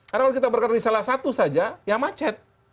karena kalau kita berkendali salah satu saja ya macet